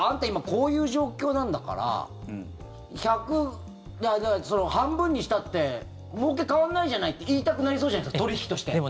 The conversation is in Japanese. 今こういう状況なんだから半分にしたってもうけ変わんないじゃないって言いたくなりそうじゃないですか取引として。